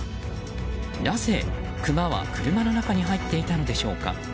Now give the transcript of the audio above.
なぜクマは車の中に入っていたのでしょうか。